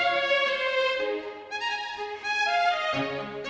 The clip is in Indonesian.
aku mau pergi ke rumah